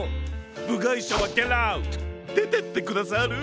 ぶがいしゃはゲットアウト！でてってくださる？